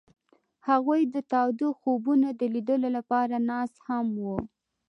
هغوی د تاوده خوبونو د لیدلو لپاره ناست هم وو.